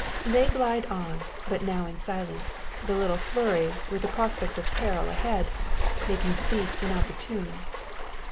They glide on, but now in silence; the little flurry, with the prospect of peril ahead, making speech inopportune.